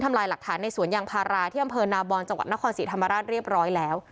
ลายหลักฐานในสวนยางพาราที่อำเภอนาบอนจังหวัดนครศรีธรรมราชเรียบร้อยแล้ว